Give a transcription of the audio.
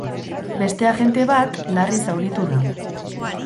Beste agente bat larri zauritu da.